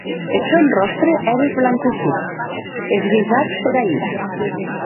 Eth sòn ròstre ère esblancossit, desguisat pera ira.